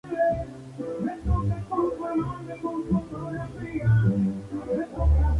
Sus restos fueron incinerados y las cenizas esparcidas en su propiedad.